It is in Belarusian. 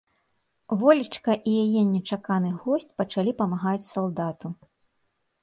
Волечка і яе нечаканы госць пачалі памагаць салдату.